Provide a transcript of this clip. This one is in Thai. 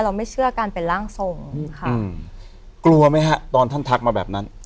ไม่เชื่อการเป็นร่างทรงค่ะอืมกลัวไหมฮะตอนท่านทักมาแบบนั้น